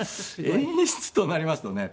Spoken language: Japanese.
演出となりますとね